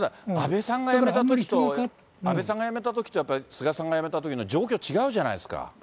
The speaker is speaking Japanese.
ただ安倍さんが辞めたときと、やっぱり菅さんが辞めたときの状況違うじゃないですか。